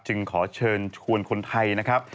ขอเชิญชวนคนไทยนะครับ